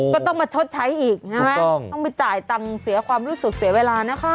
ก็ต้องมาชดใช้อีกใช่ไหมต้องไปจ่ายตังค์เสียความรู้สึกเสียเวลานะคะ